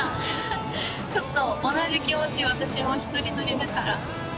フフッちょっと同じ気持ち私も一人乗りだから。